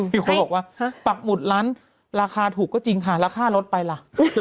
มีคนบอกว่าปักหมุดร้านราคาถูกก็จริงค่ะแล้วค่ารถไปล่ะ